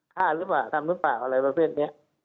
ฆ่าหรือเปล่าทำหรือเปล่าอะไรประเภทนี้